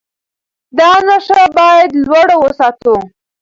دا نښه باید لوړه وساتو.